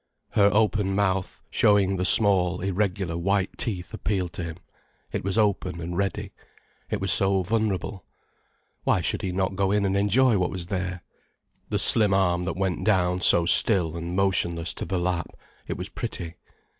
Her open mouth, showing the small, irregular, white teeth, appealed to him. It was open and ready. It was so vulnerable. Why should he not go in and enjoy what was there? The slim arm that went down so still and motionless to the lap, it was pretty.